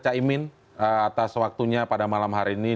caimin atas waktunya pada malam hari ini